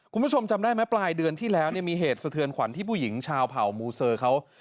คุณผู้ชมจำได้ไหมปลายเดือนที่แล้วเนี่ยมีเหตุสะเทือนขวัญที่ผู้หญิงชาวเผ่ามูเซอร์เขา